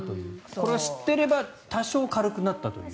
これは知っていれば多少軽くなったと。